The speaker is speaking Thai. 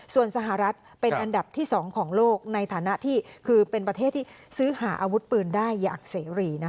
ส่วนสหรัฐเป็นอันดับที่๒ของโลกในฐานะที่คือเป็นประเทศที่ซื้อหาอาวุธปืนได้อย่างเสรี